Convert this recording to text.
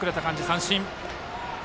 三振。